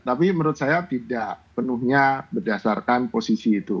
tapi menurut saya tidak penuhnya berdasarkan posisi itu